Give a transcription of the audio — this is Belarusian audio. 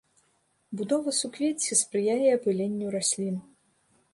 Будова суквецця спрыяе апыленню раслін.